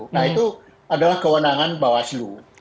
nah itu adalah kewenangan bawaslu